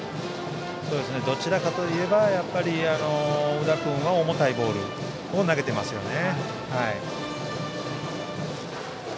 どちらかといえば宇田君は重たいボールを投げていますね。